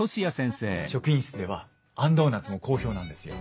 職員室ではあんドーナツも好評なんですよ。